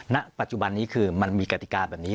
ณปัจจุบันนี้คือมันมีกติกาแบบนี้